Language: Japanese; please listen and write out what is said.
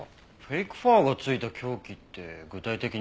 フェイクファーが付いた凶器って具体的にどんなのか